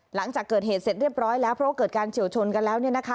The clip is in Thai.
หลังจากเกิดเหตุเสร็จเรียบร้อยแล้วเพราะว่าเกิดการเฉียวชนกันแล้ว